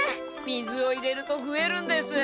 水を入れるとふえるんです。